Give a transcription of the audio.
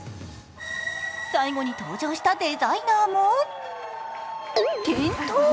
最後に登場したデザイナーも転倒。